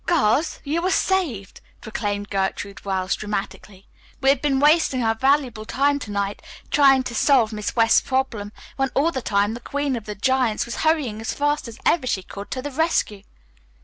"Girls, you are saved," proclaimed Gertrude Wells dramatically. "We have been wasting our valuable time to night trying to solve Miss West's problem, while all the time the queen of the giants was hurrying as fast as ever she could to the rescue."